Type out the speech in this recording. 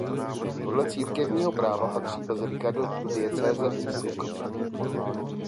Podle církevního práva patří bazilika do diecéze Innsbruck.